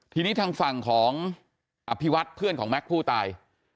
ทีนี้ทางฝั่งของอภิวัฒน์เพื่อนของแม็กซ์ผู้ตาย